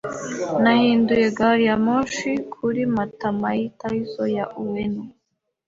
Nahinduye gari ya moshi kuri Matamaitasiyo ya Ueno.